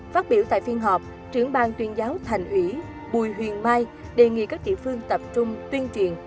phát biểu tại phiên họp trưởng bang tuyên giáo thành ủy bùi huyền mai đề nghị các địa phương tập trung tuyên truyền